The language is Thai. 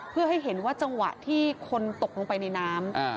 เพื่อให้เห็นว่าจังหวะที่คนตกลงไปในน้ำ